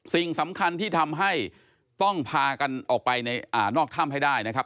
สิ่งสำคัญที่ทำให้ต้องพากันออกไปนอกถ้ำให้ได้นะครับ